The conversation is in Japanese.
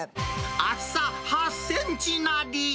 厚さ８センチなり。